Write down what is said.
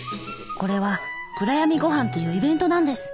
これは「暗闇ごはん」というイベントなんです。